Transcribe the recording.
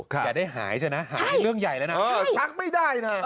อย่าได้หายใช่ไหมหายเรื่องใหญ่แล้วนะทักไม่ได้นะ